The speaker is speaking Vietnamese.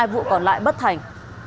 hai vụ còn lại bất thành